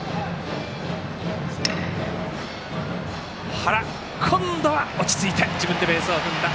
原、今度は落ち着いて自分でベースを踏みました。